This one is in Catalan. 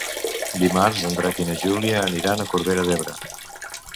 Dimarts en Drac i na Júlia aniran a Corbera d'Ebre.